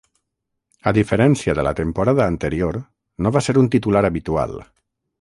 A diferència de la temporada anterior, no va ser un titular habitual.